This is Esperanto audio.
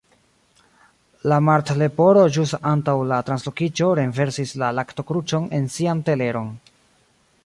La Martleporo ĵus antaŭ la translokiĝo renversis la laktokruĉon en sian teleron